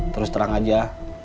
terus terang aja